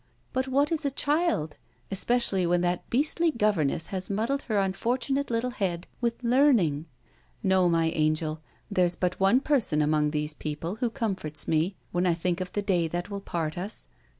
But what is a child especially when that beastly governess has muddled her unfortunate little head with learning? No, my angel, there's but one person among these people who comforts me, when I think of the day that will part us.